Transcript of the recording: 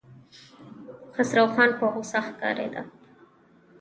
خسروخان په غوسه ښکارېده.